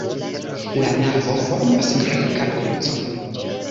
La navo formas grekan krucon.